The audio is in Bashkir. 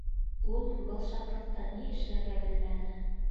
Ул был шатлыҡтан ни эшләргә белмәне.